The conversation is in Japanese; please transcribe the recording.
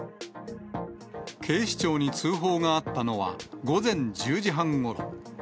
警視庁に通報があったのは午前１０時半ごろ。